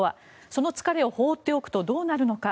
その疲れを放っておくとどうなるのか。